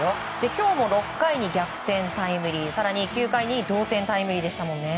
今日も６回に逆転タイムリー更に９回に同点タイムリーでしたもんね。